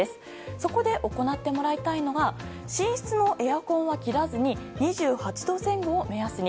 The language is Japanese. そこで行ってもらいたいのが寝室のエアコンは切らずに２８度前後を目安に。